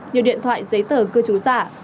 nhiều điện thoại giấy tờ cư trú giả